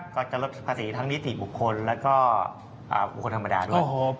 ก็จะลดภาษีทั้งนิติบุคคลแล้วก็บุคคลธรรมดาด้วย